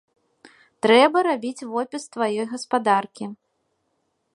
Трэба рабіць вопіс тваёй гаспадаркі.